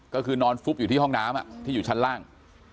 ก็คือนอนฟุบอยู่ที่ห้องน้ำที่อยู่ชั้นล่าง